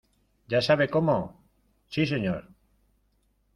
Ya sabe cómo. ¡ sí, señor!